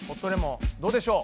どうでしょう？